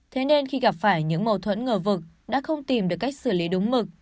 thế nên khi gặp phải những mâu thuẫn ngờ vực đã không tìm được cách xử lý đúng mực